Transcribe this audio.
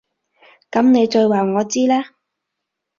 噉你再話我知啦